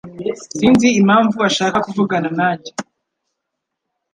Sinzi impamvu ashaka kuvugana nanjye.